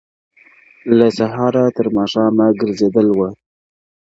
• له سهاره تر ماښامه ګرځېدل وه -